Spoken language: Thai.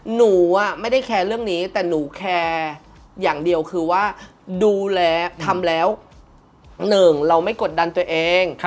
หนูไม่ได้แคร์เรื่องนี้แต่หนูแคร์อย่างเดียวคือว่าดูแลทำแล้วหนึ่งเราไม่กดดันตัวเอง